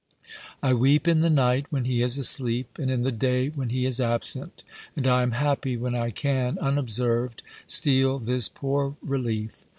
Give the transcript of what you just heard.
I weep in the night, when he is asleep; and in the day when he is absent: and I am happy when I can, unobserved, steal this poor relief.